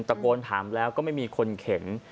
ตะโกนถามแล้วก็ไม่มีคนเข็น